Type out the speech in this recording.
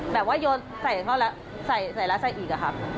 แบบว่ายนท์ใส่เขาแล้วใส่อีกครับ